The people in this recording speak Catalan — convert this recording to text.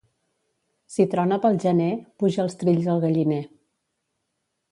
Si trona pel gener, puja els trills al galliner.